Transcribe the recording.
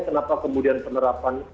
kenapa kemudian penerapan